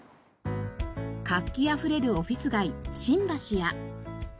活気あふれるオフィス街新橋や。